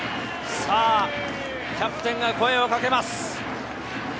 キャプテンが声をかけます。